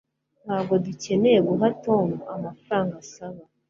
ntabwo dukeneye guha tom amafaranga asaba